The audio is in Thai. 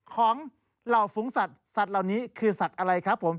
ของเหล่าฝูงสัตว์สัตว์เหล่านี้คือสัตว์อะไรครับผม